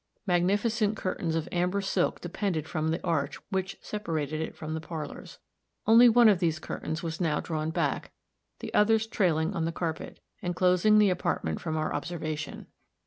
Magnificent curtains of amber silk depended from the arch which separated it from the parlors. Only one of these curtains was now drawn back, the others trailing on the carpet, and closing the apartment from our observation.